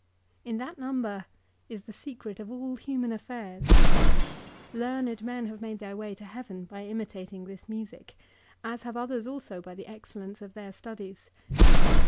In that number is the secret of all human affairs. Learned men have made their way to heaven by imitating this music ; as have others also by the excellence of their studies.